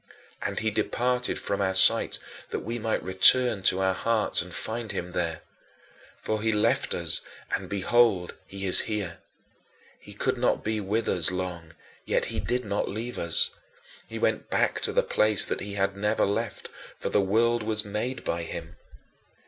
And he departed from our sight that we might return to our hearts and find him there. For he left us, and behold, he is here. He could not be with us long, yet he did not leave us. He went back to the place that he had never left, for "the world was made by him."